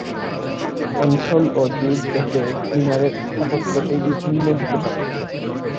অঞ্চল ও যুগ ভেদে মিনারের স্থাপত্যশৈলী ভিন্ন হতে পারে।